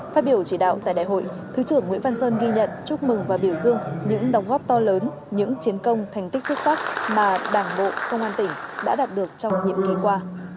phát biểu chỉ đạo tại đại hội thứ trưởng nguyễn văn sơn ghi nhận chúc mừng và biểu dương những đồng góp to lớn những chiến công thành tích xuất sắc mà đảng bộ công an tỉnh đã đạt được trong nhiệm kỳ qua